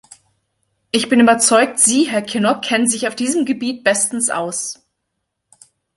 Ich bin überzeugt, Sie, Herr Kinnock, kennen sich auf diesem Gebiet bestens aus.